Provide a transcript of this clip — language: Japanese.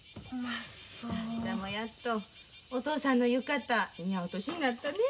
あんたもやっとお父さんの浴衣似合う年になったねえ。